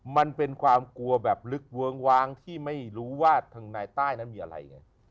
มันเป็นความกลัวแบบลึกเวิ้งว้างที่ไม่รู้ว่าทางนายใต้นั้นมีอะไรไง